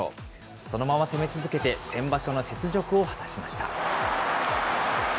そのまま攻め続けて、先場所の雪辱を果たしました。